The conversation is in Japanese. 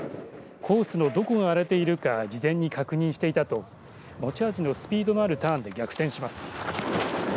コースのどこが荒れているか事前に確認していたと持ち味のスピードのあるターンで逆転します。